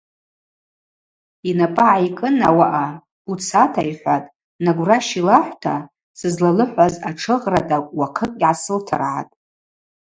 Йнапӏы гӏайкӏын ауаъа: Уцата,— йхӏватӏ, Нагвращ йлахӏвта, — сызлалыхӏваз атшыгъратӏакӏв уахъыкӏ йгӏасылтыргӏатӏ.